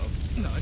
何！？